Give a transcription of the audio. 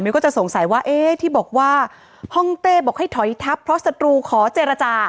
ก็จะสงสัยว่าเอ๊ะที่บอกว่าห้องเต้บอกให้ถอยทับเพราะศัตรูขอเจรจา